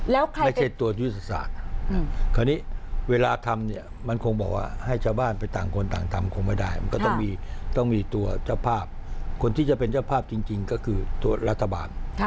แล้วใครไม่ใช่ตัวยุทธศาสตร์คราวนี้เวลาทำเนี่ยมันคงบอกว่าให้ชาวบ้านไปต่างคนต่างทำคงไม่ได้มันก็ต้องมีตัวเจ้าภาพคนที่จะเป็นเจ้าภาพจริงก็คือตัวรัฐบาล